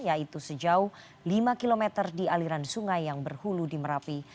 yaitu sejauh lima km di aliran sungai yang berhulu di merapi